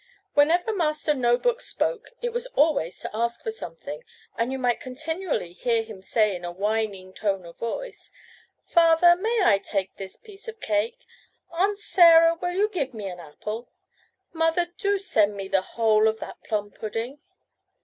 Whenever Master No book spoke it was always to ask for something, and you might continually hear him say in a whining tone of voice: "Father, may I take this piece of cake?" "Aunt Sarah, will you give me an apple?" "Mother, do send me the whole of that plum pudding."